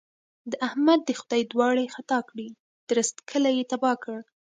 د احمد دې خدای دواړې خطا کړي؛ درست کلی يې تباه کړ.